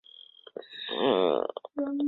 拉韦尔西内。